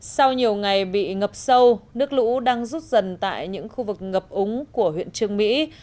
sau nhiều ngày bị ngập sâu nước lũ đang rút dần tại những khu vực ngập úng của huyện trương mỹ